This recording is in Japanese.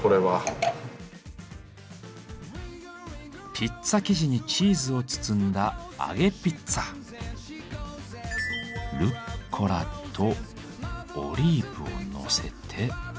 ピッツァ生地にチーズを包んだルッコラとオリーブをのせて。